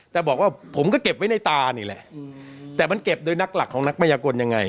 แต่บอกว่าผมก็เก็บไว้ในตานี่แหละแต่มันเก็บโดยนักหลักของนักพยากลยังไง